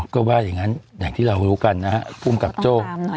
ก็ว่าอย่างนั้นอย่างที่เรารู้กันนะฮะภูมิกับโจ้